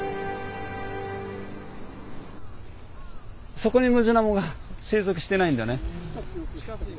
そこにムジナモが生息してないんだね。